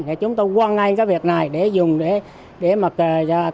thì chúng tôi hoan nghênh cái việc này để dùng để có cái